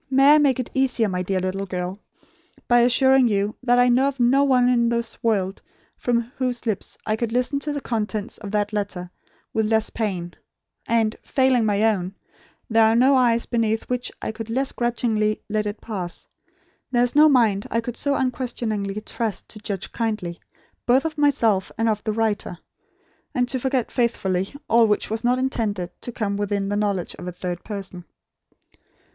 May I make it easier, my dear little girl, by assuring you that I know of no one in this world from whose lips I could listen to the contents of that letter with less pain; and, failing my own, there are no eyes beneath which I could less grudgingly let it pass, there is no mind I could so unquestioningly trust, to judge kindly, both of myself and of the writer; and to forget faithfully, all which was not intended to come within the knowledge of a third person."